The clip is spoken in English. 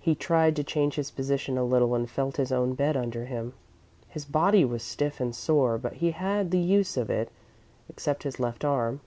He tried to change his position a little and felt his own bed under him. His body was stiff and sore, but he had the use of it, except his left arm.